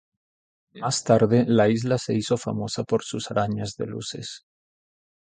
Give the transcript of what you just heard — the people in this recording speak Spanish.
Más tarde, la isla se hizo famosa por sus arañas de luces.